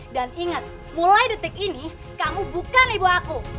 dan ingat mulai detik ini kamu bukan ibu aku